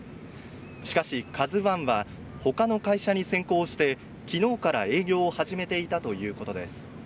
しかし「ＫＡＺＵⅠ」は他の会社に先行して昨日から営業を始めていたということです。